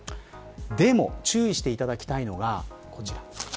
でも、注意していただきたいのがこちらです。